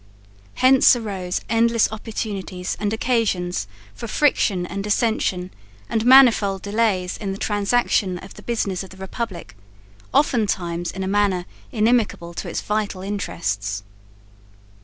Hence arose endless opportunities and occasions for friction and dissension and manifold delays in the transaction of the business of the republic, oftentimes in a manner inimical to its vital interests.